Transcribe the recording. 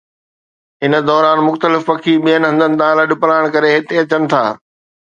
ان دوران مختلف پکي ٻين هنڌن تان لڏپلاڻ ڪري هتي اچن ٿا